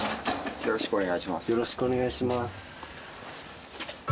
よろしくお願いします。